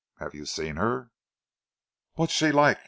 Have you seen her?" "What she like?"